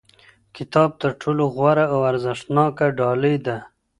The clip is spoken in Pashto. کتاب تر ټولو غوره او ارزښتناکه ډالۍ ده.